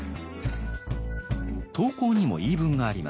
刀工にも言い分があります。